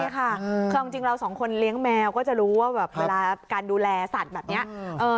ค่ะคือจริงเรา๒คนเลี้ยงแมวก็จะรู้ว่าเวลาการดูแลสัตว์แบบนี้